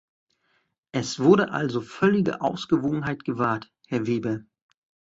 Es wurde also völlige Ausgewogenheit gewahrt, Herr Weber.